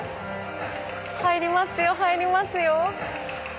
入りますよ入りますよ。